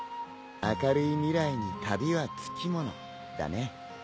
明るい未来に旅はつきものだね。